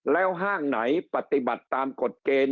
แล้วห้างไหนปฏิบัติตามกฎเกณฑ์